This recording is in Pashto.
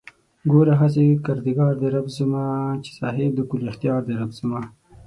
گوره هسې کردگار دئ رب زما چې صاحب د کُل اختيار دئ رب زما